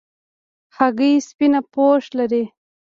هګۍ سپینه پوښ لري.